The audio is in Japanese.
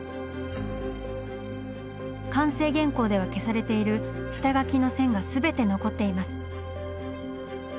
完成原稿では消されている下描きの線が全て残っています。